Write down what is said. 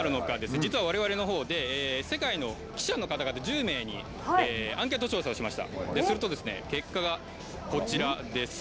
実はわれわれのほうで世界の記者の方々、１０名にアンケート調査をしました。